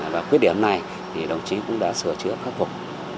và khuyết điểm này thì đồng chí cũng đã sửa chữa khắc phục